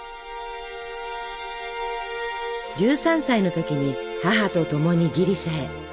１３歳の時に母と共にギリシャへ。